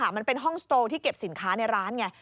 มันเป็นห้องสโตลที่เก็บสินค้าในร้านไง